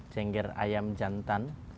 cengger ayam jantan